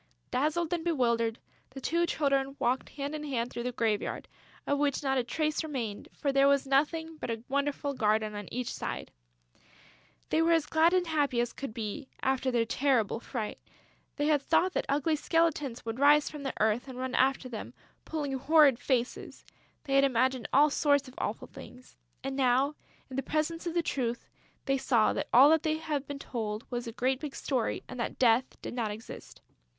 Dazzled and bewildered, the two children walked hand in hand through the graveyard, of which not a trace remained, for there was nothing but a wonderful garden on every side. They were as glad and happy as could be, after their terrible fright. They had thought that ugly skeletons would rise from the earth and run after them, pulling horrid faces; they had imagined all sorts of awful things. And now, in the presence of the truth, they saw that all that they had been told was a great big story and that Death does not exist.